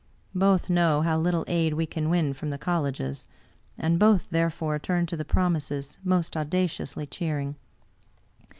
Both know how little aid we can win from the colleges, and both, therefore, turn to the promises most audaciously cheering.